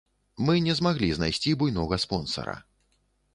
Мы не змаглі знайсці буйнога спонсара.